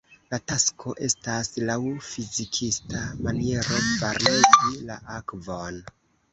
La tasko estas, laŭ fizikista maniero varmigi la akvon.